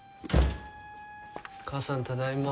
母さんただいま。